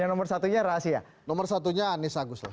yang nomor satunya rahasia nomor satunya anies agus